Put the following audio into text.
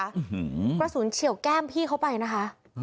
อื้อหือกระสุนเฉียวแก้มพี่เขาไปนะคะอ่า